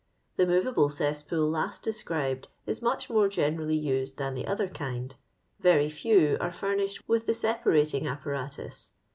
^* The inoTable cesspool last described is much more generally used than the other kind; very few are furnished with the separating ap paratus.